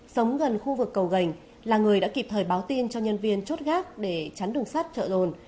sống gần khu vực cầu gành là người đã kịp thời báo tin cho nhân viên chốt gác để chắn đường sắt trợ rồn